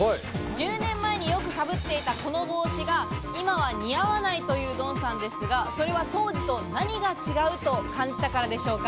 １０年前によくかぶっていたこの帽子が、今は似合わないというドンさんですが、それは当時と何が違うと感じたからでしょうか。